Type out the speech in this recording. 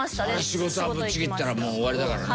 仕事はぶっちぎったらもう終わりだからね。